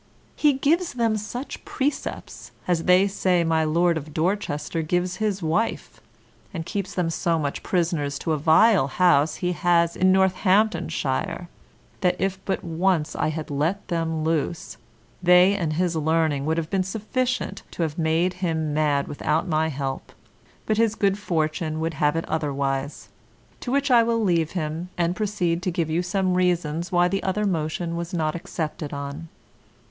He gives them such precepts, as they say my Lord of Dorchester gives his wife, and keeps them so much prisoners to a vile house he has in Northamptonshire, that if but once I had let them loose, they and his learning would have been sufficient to have made him mad without my help; but his good fortune would have it otherwise, to which I will leave him, and proceed to give you some reasons why the other motion was not accepted on.